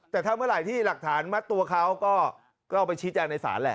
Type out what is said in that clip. แต่ถ้าเมื่อไหร่ที่หลักฐานมัดตัวเขาก็ไปชี้แจงในศาลแหละ